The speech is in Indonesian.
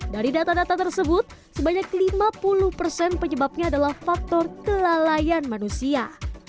dari data data tersebut sebanyak lima puluh persen penyebabnya adalah faktor kelalaian manusia